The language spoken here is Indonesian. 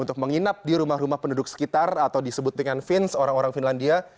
untuk menginap di rumah rumah penduduk sekitar atau disebut dengan fins orang orang finlandia